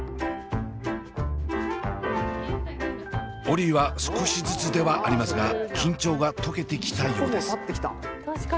オリィは少しずつではありますが緊張が解けてきたようです。